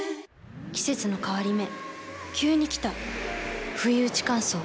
季節の変わり目急に来たふいうち乾燥。